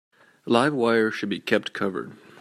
Live wires should be kept covered.